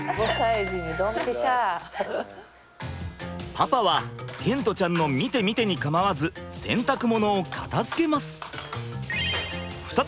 パパは賢澄ちゃんの「見て見て」に構わず洗濯物を片づけます。